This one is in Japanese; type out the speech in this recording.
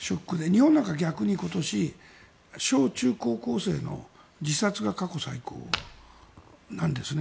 日本なんか逆に今年小中高校生の自殺が過去最高なんですね。